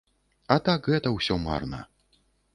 А так, гэта ўсё марна.